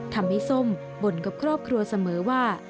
ทำให้สมบ่นกับครอบครัวเสมอว่า